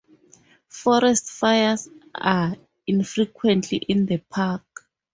Forest fires are infrequent in the park.